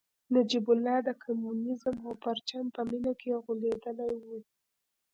نجیب الله د کمونیزم او پرچم په مینه کې غولېدلی و